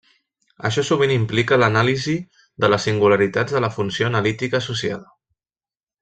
Això sovint implica l'anàlisi de les singularitats de la funció analítica associada.